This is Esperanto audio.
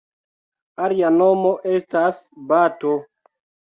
Alia nomo estas bato.